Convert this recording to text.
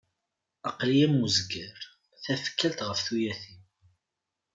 Aql-i am uzger, tafekkalt ɣef tuyat-iw.